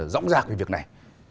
rõ ràng về việc này